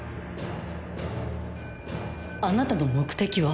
あなたの目的は？